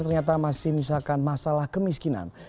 ternyata masih misalkan masalah kemiskinan